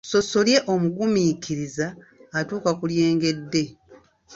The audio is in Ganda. Ssossolye omugumiikiriza atuuka ku lyengedde.